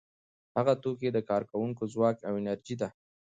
هغه توکي د کارکوونکو ځواک او انرژي ده